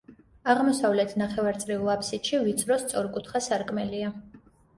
აღმოსავლეთ ნახევარწრიულ აფსიდში ვიწრო სწორკუთხა სარკმელია.